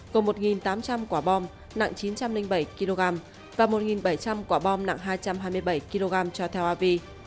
cùng một tám trăm linh quả bom nặng chín trăm linh bảy kg và một bảy trăm linh quả bom nặng hai trăm hai mươi bảy kg cho tel avi